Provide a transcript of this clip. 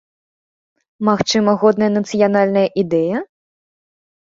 Магчыма, годная нацыянальная ідэя?